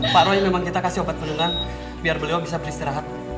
pak roy memang kita kasih obat bendungan biar beliau bisa beristirahat